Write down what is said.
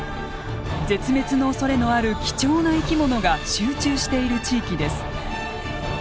絶滅のおそれのある貴重な生き物が集中している地域です。